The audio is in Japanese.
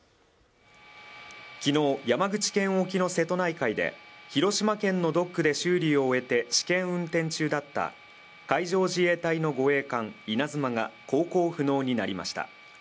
昨日山口県沖の瀬戸内海で広島県のドックで修理を終えて試験運転中だった海上自衛隊の護衛艦「いなづま」が航行不能になりました